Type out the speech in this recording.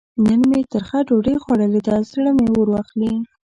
نن مې ترخه ډوډۍ خوړلې ده؛ زړه مې اور اخلي.